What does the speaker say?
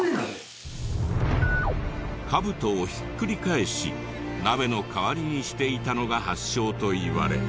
兜をひっくり返し鍋の代わりにしていたのが発祥といわれ。